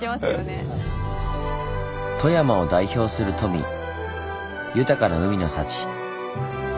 富山を代表する富豊かな海の幸。